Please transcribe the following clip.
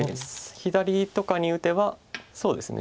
左とかに打てばそうですね。